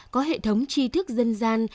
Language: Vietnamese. có hệ thống chi thức dân gian